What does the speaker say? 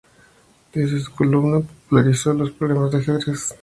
Desde su columna, popularizó los problemas de ajedrez.